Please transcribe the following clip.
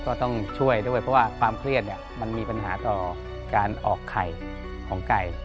ก็ต้องช่วยด้วยเพราะว่าความเครียดมันมีปัญหาต่อการออกไข่ของไก่